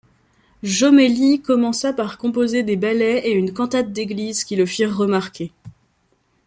Jommelli commença par composer des ballets et une cantate d'église qui le firent remarquer.